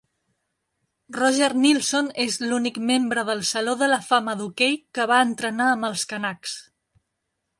Roger Neilson és l'únic membre del Saló de la Fama d'Hoquei que va entrenar amb els Canucks.